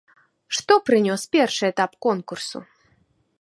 Што прынёс першы этап конкурсу?